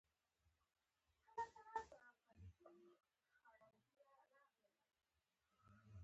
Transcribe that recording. ما هم غوښتل چې د اروپا په سطحه یو ښه لیکوال شم